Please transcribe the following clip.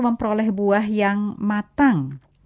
memperoleh buah yang matang